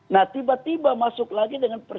nah tiba tiba masuk lagi dengan